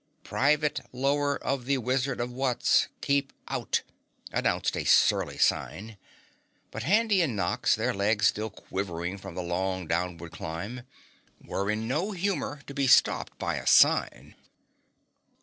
Private Lower of the Wizard of Wutz. Keep Out! announced a surly sign. But Handy and Nox, their legs still quivering from the long downward climb, were in no humor to be stopped by a sign.